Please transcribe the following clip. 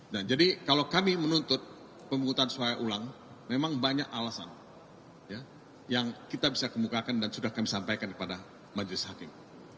nah jadi kalau kami menuntut pemungutan suara ulang memang banyak alasan yang kita bisa kemukakan dan sudah kami sampaikan kepada majelis hakim